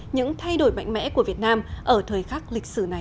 những thay đổi mạnh mẽ của việt nam ở thời khắc lịch sử này